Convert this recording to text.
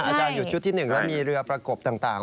อาจารย์อยู่ชุดที่๑แล้วมีเรือประกบต่าง